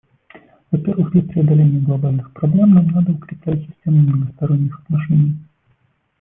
Во-первых, для преодоления глобальных проблем нам надо укреплять систему многосторонних отношений.